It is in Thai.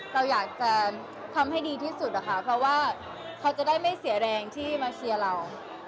เราอยากจะทำให้ดีที่สุดนะคะเพราะว่าเขาจะได้ไม่เสียแรงที่มาเชียร์เรา